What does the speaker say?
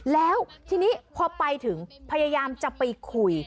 แล้วทีนี้พอไปถึงพยายามจะไปคุย